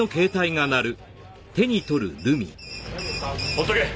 放っとけ。